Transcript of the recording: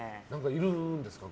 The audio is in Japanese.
いるんですか？